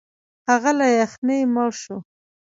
هغه له یخنۍ مړ شو.